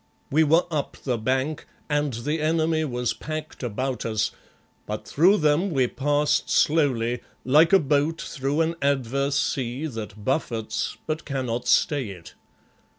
We were up the bank and the enemy was packed about us, but through them we passed slowly, like a boat through an adverse sea that buffets but cannot stay it.